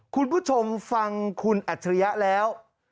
คุณผู้ชมฟังคุณอัจฉริยะแล้ว